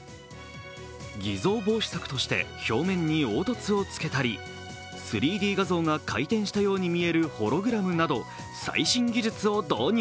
偽造防止策として表面に凹凸をつけたり３Ｄ画像が回転したように見えるホログラムなど最新技術を導入。